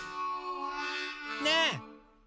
ねえ！